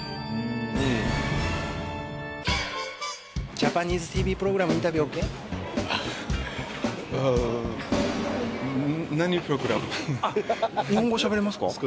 ジャパニーズＴＶプログラムインタビューオーケー？あっ日本語しゃべれますか？